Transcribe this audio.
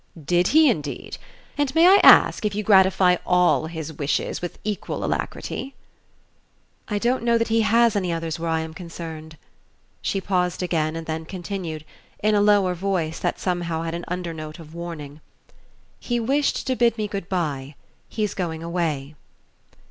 "Did he, indeed? And may I ask if you gratify all his wishes with equal alacrity?" "I don't know that he has any others where I am concerned." She paused again and then continued, in a lower voice that somehow had an under note of warning. "He wished to bid me good by. He's going away."